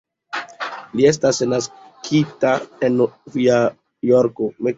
Li estis naskita en Novjorko.